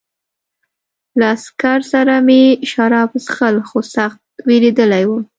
له عسکر سره مې شراب څښل خو سخت وېرېدلی وم